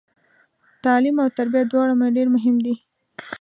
تعلیم او تربیه دواړه ډیر مهم دي